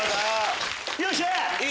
よっしゃ！